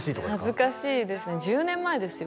恥ずかしいですね１０年前ですよ